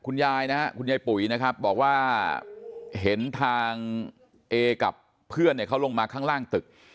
คุณยายนะฮะคุณยายปุ๋ยนะครับบอกว่าเห็นทางเอกับเพื่อนเนี่ยเขาลงมาข้างล่างตึก